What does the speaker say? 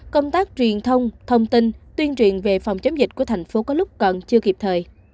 công tác truyền thông thông tin tuyên truyền về phòng chống dịch của thành phố có lúc còn chưa kịp thời